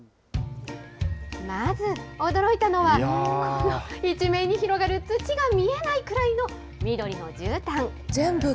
まず驚いたのは、一面に広がる土が見えないくらいの緑のじゅうたん。